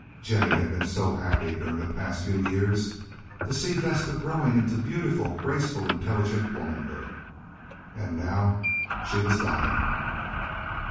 Jennie had been so happy during the past few years to see Vesta growing into beautiful, graceful, intelligent womanhood. And now she was dying.